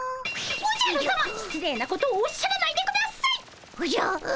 おじゃるさま失礼なことをおっしゃらないでください！